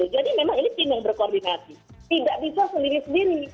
jadi memang ini tim yang berkoordinasi tidak bisa sendiri sendiri